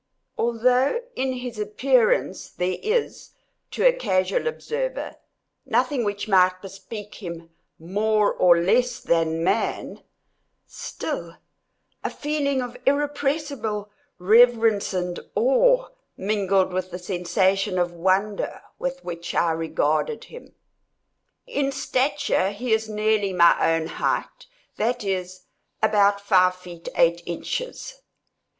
Although in his appearance there is, to a casual observer, nothing which might bespeak him more or less than man, still, a feeling of irrepressible reverence and awe mingled with the sensation of wonder with which I regarded him. In stature he is nearly my own height; that is, about five feet eight inches.